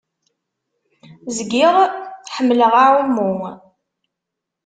Zgiɣ ḥemmleɣ aɛummu.